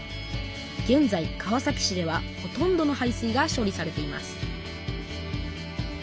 げんざい川崎市ではほとんどの排水が処理されています